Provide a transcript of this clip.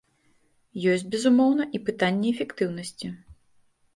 Ёсць, безумоўна, і пытанні эфектыўнасці.